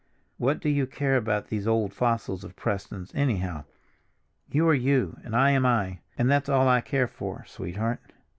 What do you care about those old fossils of Prestons, anyhow? You are you, and I am I, and that's all I care for, sweetheart."